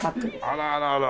あらあらあら。